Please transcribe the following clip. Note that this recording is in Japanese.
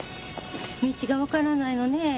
道が分からないのねえ。